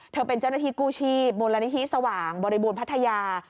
เป็นเจ้าหน้าที่กู้ชีพมูลนิธิสว่างบริบูรณพัทยา